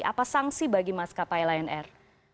apa sanksi bagi maskapai lnr